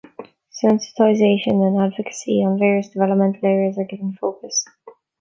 Sensitisation and advocacy on various developmental areas are given focus.